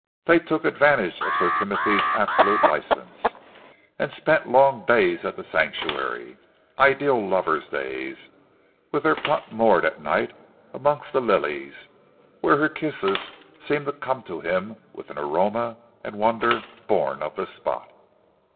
They took advantage of Sir Timothy's absolute license, and spent long days at The Sanctuary, ideal lovers' days, with their punt moored at night amongst the lilies, where her kisses seemed to come to him with an aroma and wonder born of the spot.